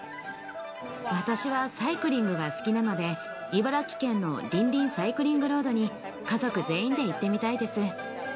私はサイクリングが好きなので、茨城県のりんりんサイクリングロードに家族全員で行ってみたいです。